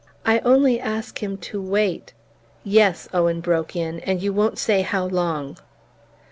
"I only ask him to wait " "Yes," Owen, broke in, "and you won't say how long!"